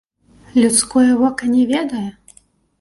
Людское вока не ведае?